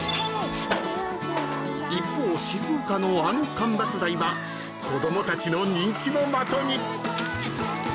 ［一方静岡のあの間伐材は子供たちの人気の的に］